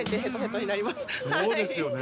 そうですよね